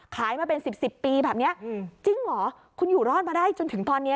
ขายมาเป็นสิบสิบปีแบบนี้จริงเหรอคุณอยู่รอดมาได้จนถึงตอนนี้